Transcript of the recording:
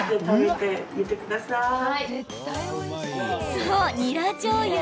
そう、ニラじょうゆ。